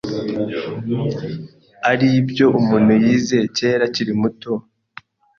ari ibyo umuntu yize kera akiri muto,